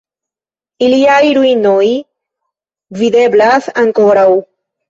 Iliaj ruinoj videblas ankoraŭ.